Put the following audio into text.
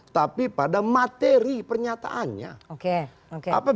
tapi pada materi pernyataannya